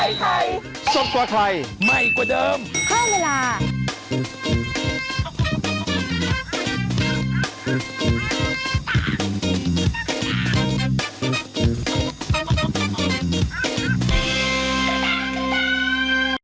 ข่าวใส่ไข่สดกว่าไข่ใหม่กว่าเดิมเข้าเวลา